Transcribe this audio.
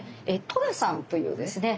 「とら」さんというですね